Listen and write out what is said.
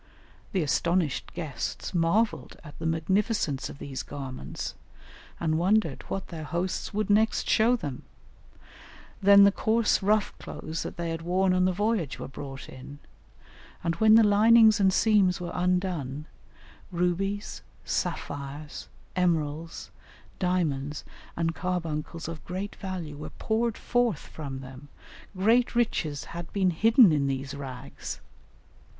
The astonished guests marvelled at the magnificence of these garments, and wondered what their hosts would next show them; then the coarse rough clothes that they had worn on the voyage were brought in, and when the linings and seams were undone, rubies, sapphires, emeralds, diamonds, and carbuncles of great value were poured forth from them; great riches had been hidden in these rags.